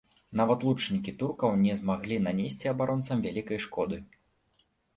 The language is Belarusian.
Нават лучнікі туркаў не змаглі нанесці абаронцам вялікай шкоды.